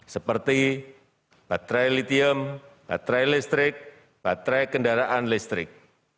seperti baterai litium baterai listrik baterai kendaraan listrik